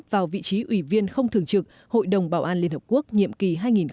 vào vị trí ủy viên không thường trực hội đồng bảo an liên hợp quốc nhiệm kỳ hai nghìn hai mươi hai nghìn hai mươi một